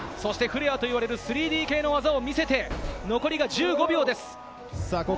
フレアといわれる３Ｄ系の技を見せて残り１５秒です。